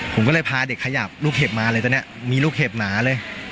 ผมก็เลยพาเด็กขยับลูกเห็บมาเลยตอนนี้มีลูกเห็บหนาเลย